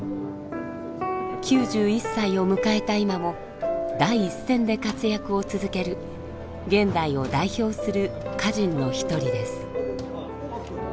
９１歳を迎えた今も第一線で活躍を続ける現代を代表する歌人の一人です。